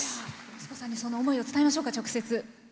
息子さんにその思いを伝えましょうか、直接。